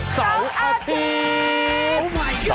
สวัสดีครับสวัสดีครับ